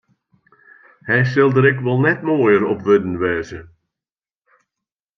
Hy sil der ek wol net moaier op wurden wêze.